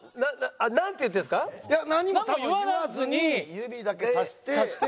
いや何も多分言わずに指だけさして。